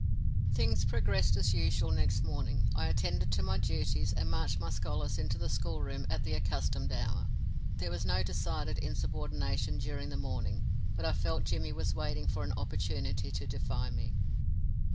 Things progressed as usual next morning. I attended to my duties and marched my scholars into the schoolroom at the accustomed hour. There was no decided insubordination during the morning, but I felt Jimmy was waiting for an opportunity to defy me.